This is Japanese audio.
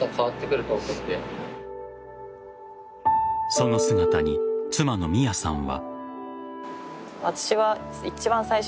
その姿に妻の美弥さんは。